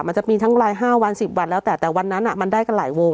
มันจะมีทั้งราย๕วัน๑๐วันแล้วแต่แต่วันนั้นมันได้กันหลายวง